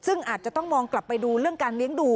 ซึ่งอาจจะต้องมองกลับไปดูเรื่องการเลี้ยงดู